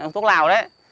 thuốc lào đấy